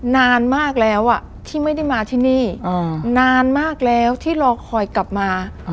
นานมากแล้วที่ไม่ได้มาที่นี่นานมากแล้วที่รอคอยกลับมา